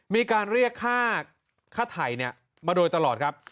มีการเรียกค่าไถ่มาโดยตลอดครับ